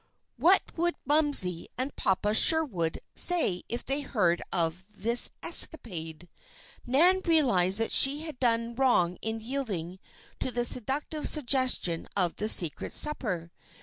What would "Momsey" and "Papa Sherwood" say if they heard of this escapade? Nan realized that she had done wrong in yielding to the seductive suggestion of the secret supper.